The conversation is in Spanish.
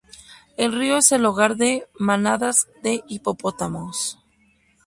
El río es el hogar de manadas de hipopótamos.